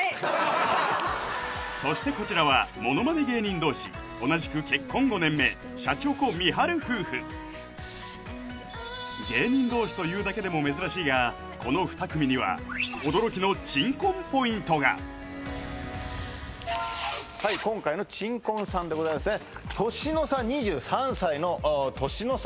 そしてこちらはものまね芸人同士同じく芸人同士というだけでも珍しいがこの２組には驚きの珍婚ポイントがはい今回の珍婚さんでございますね年の差２３歳の年の差